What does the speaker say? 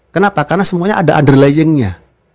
kenapa karena semuanya ada underlyingnya